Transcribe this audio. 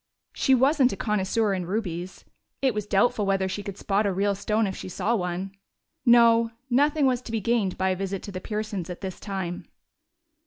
She wasn't a connoisseur in rubies; it was doubtful whether she could spot a real stone if she saw one. No, nothing was to be gained by a visit to the Pearsons' at this time.